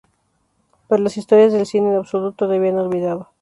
Pero las historias del cine en absoluto le habían olvidado.